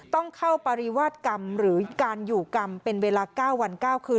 ต้องเข้าปริวาสกรรมหรือการอยู่กรรมเป็นเวลา๙วัน๙คืน